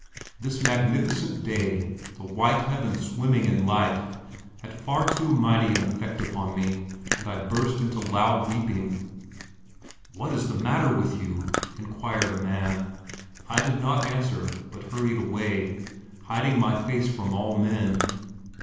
This magnificent day, the white heavens swimming in light, had far too mighty an effect upon me, and I burst into loud weeping. "What is the matter with you?" inquired a man. I did not answer, but hurried away, hiding my face from all men.